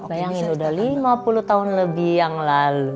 bayangin udah lima puluh tahun lebih yang lalu